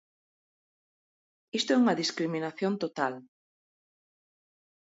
Isto é unha discriminación total.